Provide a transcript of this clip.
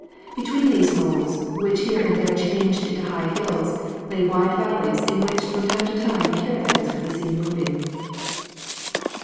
Between those knolls, which here and there changed into high hills, lay wide valleys in which from time to time caravans could be seen moving.